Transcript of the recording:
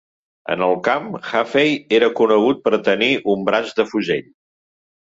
En el camp, Hafey era conegut per tenir un "braç de fusell".